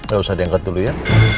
gak usah diangkat dulu ya